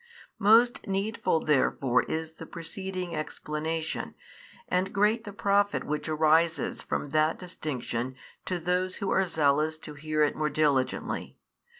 Most needful therefore is the preceding explanation, and great the profit which arises from that distinction to those who are zealous to hear it more diligently.